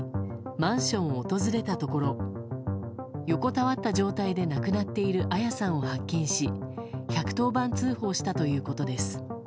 マンションを訪れたところ横たわった状態で亡くなっている彩さんを発見し１１０番通報したということです。